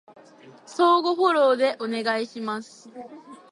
相互フォローでお願いします